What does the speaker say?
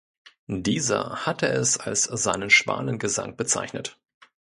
Dieser hatte es als seinen „Schwanengesang“ bezeichnet.